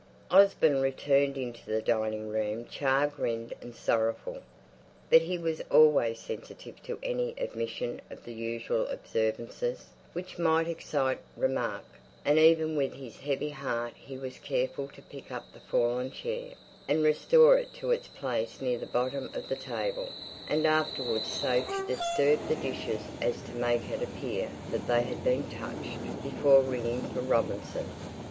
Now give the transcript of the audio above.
Osborne returned into the dining room chagrined and sorrowful. But he was always sensitive to any omission of the usual observances, which might excite remark; and even with his heavy heart he was careful to pick up the fallen chair, and restore it to its place near the bottom of the table; and afterwards so to disturb the dishes as to make it appear that they had been touched, before ringing for Robinson.